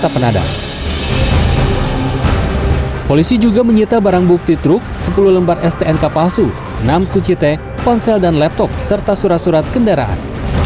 polisi juga menyita barang bukti truk sepuluh lembar stnk palsu enam kunci t ponsel dan laptop serta surat surat kendaraan